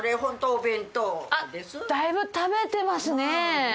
あっだいぶ食べてますね。